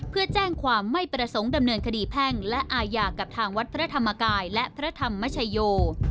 เพื่อแจ้งความไม่ประสงค์ดำเนินคดีแพ่งและอาญากับทางวัดพระธรรมกายและพระธรรมชโย